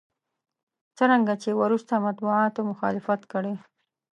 څرنګه چې وروسته مطبوعاتو مخالفت کړی.